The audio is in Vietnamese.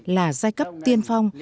là giai cấp tiền phong